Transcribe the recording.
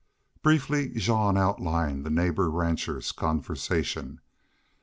Briefly Jean outlined the neighbor rancher's conversation.